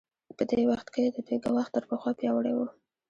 په دې وخت کې د دوی ګواښ تر پخوا پیاوړی و.